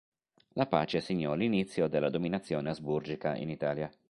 La pace segnò l'inizio della dominazione Asburgica in Italia.